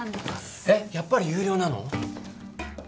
えっやっぱり有料なの？